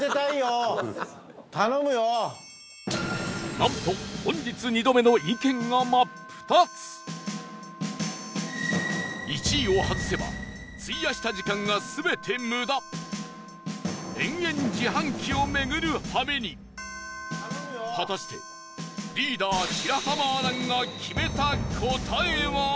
なんと、本日２度目の意見が真っ二つ１位を外せば費やした時間が全て無駄延々、自販機を巡るはめに果たして、リーダー白濱亜嵐が決めた答えは？